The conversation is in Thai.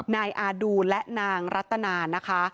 นายอาดูและนางรัตนานะคะ